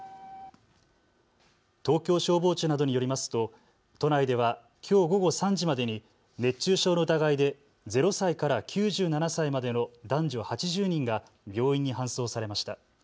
東京消防庁などによりますと都内ではきょう午後３時までに熱中症の疑いで０歳から９７歳までの男女８０人が病院に搬送されました。